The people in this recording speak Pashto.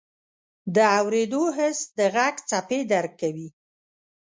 د اورېدو حس د غږ څپې درک کوي.